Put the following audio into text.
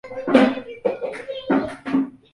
waliokuwa ukimbizini ili kukivamia kisiwa hicho